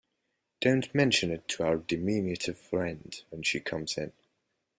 Don't mention it to our diminutive friend when she comes in.